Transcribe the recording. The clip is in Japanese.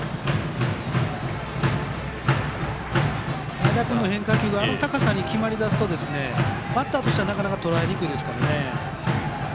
前田君の変化球があの高さに決まりだすとバッターとしてはとらえにくいですからね。